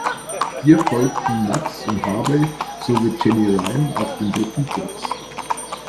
Ihr folgten Max and Harvey sowie Jenny Ryan auf dem dritten Platz.